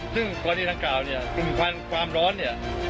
ซึ่งตอนนี้ทางกล่าวเนี่ยกลุ่มฟันความร้อนเนี่ย